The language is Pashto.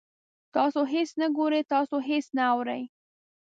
تاسو هیڅ نه ګورئ، تاسو هیڅ نه اورئ